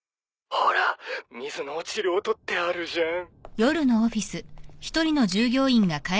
ほら水の落ちる音ってあるじゃん。